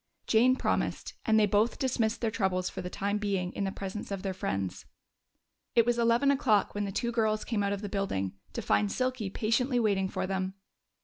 Jane promised, and they both dismissed their troubles for the time being in the presence of their friends. It was eleven o'clock when the two girls came out of the building, to find Silky patiently waiting for them.